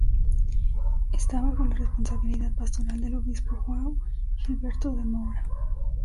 Esta bajo la responsabilidad pastoral del obispo João Gilberto de Moura.